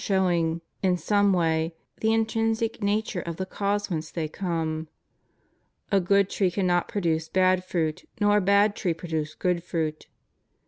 89 showing, in some way, the intrinsic nature of the cause whence they come. " A good tree cannot produce bad fruit, nor a bad tree produce good fruit."